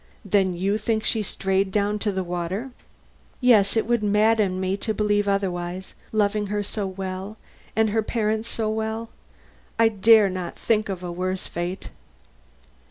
"Then you think she strayed down to the water?" "Yes; it would madden me to believe otherwise; loving her so well, and her parents so well, I dare not think of a worse fate."